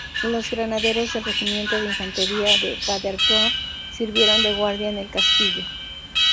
Los granaderos del Regimiento de Infantería de Paderborn sirvieron de guardia en el castillo.